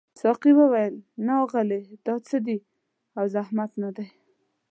ساقي وویل نه اغلې دا څه دي او زحمت نه دی.